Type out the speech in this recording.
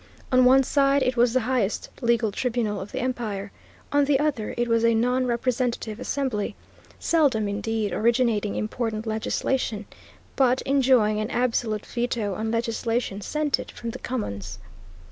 On one side it was the highest legal tribunal of the Empire, on the other it was a non representative assembly, seldom indeed originating important legislation, but enjoying an absolute veto on legislation sent it from the Commons.